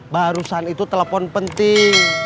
barusan itu telepon penting